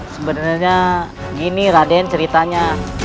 sebenarnya gini raden ceritanya